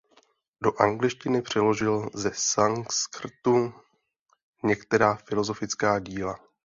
Do angličtiny přeložil ze sanskrtu některá filosofická díla.